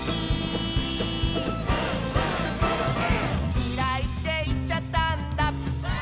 「きらいっていっちゃったんだ」